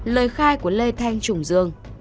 bốn lời khai của lê thanh trùng dương